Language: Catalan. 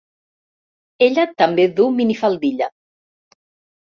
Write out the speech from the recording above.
Ella també du minifaldilla.